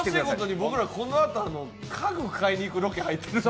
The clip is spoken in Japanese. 僕らこのあと家具を買いに行くロケ入ってます。